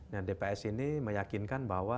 nah dps ini meyakinkan bahwa